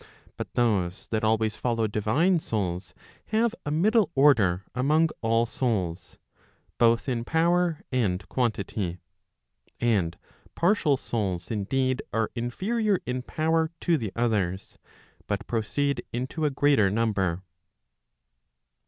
But those that always follow divine souls have a middle order among all souls, both in power and quantity. And partial souls indeed are inferior in power to the others, but proceed into a greater number.